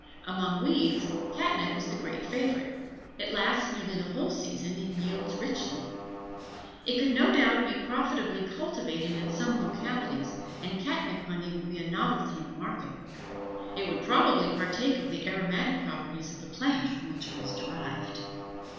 Among weeds, catnip is the great favorite. It lasts nearly the whole season and yields richly. It could no doubt be profitably cultivated in some localities, and catnip honey would be a novelty in the market. It would probably partake of the aromatic properties of the plant from which it was derived.